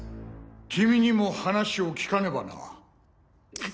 君にも話を聞かねばな。